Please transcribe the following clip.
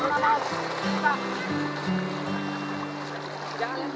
teruskan pak teruskan